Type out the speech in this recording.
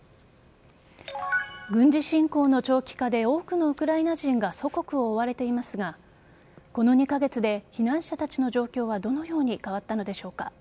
軍事侵攻の長期化で多くのウクライナ人が祖国を追われていますがこの２カ月で避難者たちの状況はどのように変わったのでしょうか。